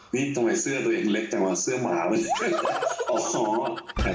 นี่ทำไมเสื้อตัวเองเล็กจังมาเสื้อหมาไหม